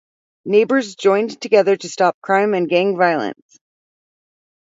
Neighbors joined together to stop crime and gang violence.